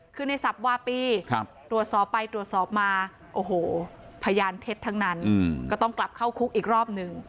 คือในสับวาปีตรวจสอบไปตรวจสอบมาโอ้โหพยานเท็จทั้งนั้นก็ต้องกลับเข้าคุกอีกรอบหนึ่ง